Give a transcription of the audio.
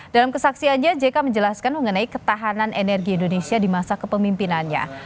dalam kesaksiannya jk menjelaskan mengenai ketahanan energi indonesia di masa kepemimpinannya